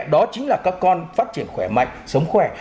đó chính là các con phát triển khỏe mạnh sống khỏe